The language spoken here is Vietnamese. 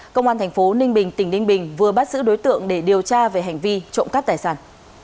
công an thành phố ninh bình tỉnh ninh bình vừa bắt giữ đối tượng để điều tra về hành vi trộm cắp tài sản